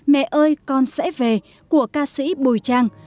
mẹ ơi con sẽ về của ca sĩ bùi trang